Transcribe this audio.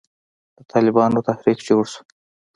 د طالبانو تحريک جوړ سو.